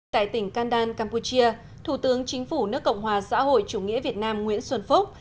tại tỉnh kandan campuchia thủ tướng chính phủ nước cộng hòa xã hội chủ nghĩa việt nam nguyễn xuân phúc